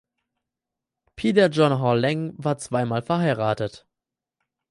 Peter John Hall Leng war zwei Mal verheiratet.